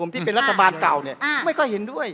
ที่เป็นรัฐบาลเก่าเนี่ยไม่ค่อยเห็นด้วย